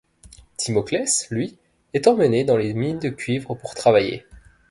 Timoklès, lui, est emmené dans les mines de cuivre pour travailler.